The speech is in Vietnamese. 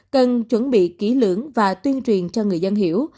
cần chuẩn bị kỹ lưỡng và tuyên truyền cho người dân hiểu